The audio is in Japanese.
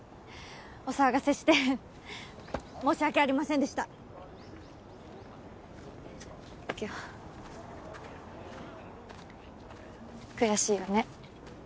お騒がせして申し訳ありませんでした。行くよ。悔しいよね。